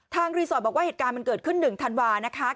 รีสอร์ทบอกว่าเหตุการณ์มันเกิดขึ้น๑ธันวานะคะ